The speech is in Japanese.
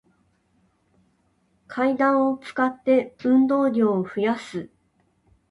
階段を使って、運動量を増やす